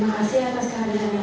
dan bersedia lagi bersama kalian